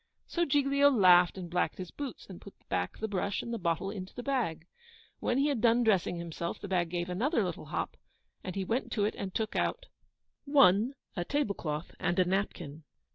So Giglio laughed and blacked his boots, and put back the brush and the bottle into the bag. When he had done dressing himself, the bag gave another little hop, and he went to it and took out 1. A tablecloth and a napkin.